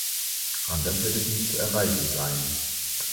Anders wird nichts zu erreichen sein.